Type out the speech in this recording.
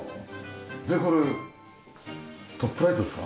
でこれトップライトですか？